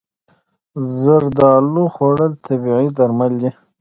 زردالو خوړل طبیعي درمل دي.